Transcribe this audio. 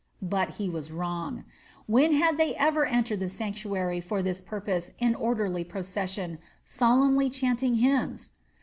But he was wrong. When had they ever entered the sanctuary for this purpose in orderly procession, solemnly chanting hymns?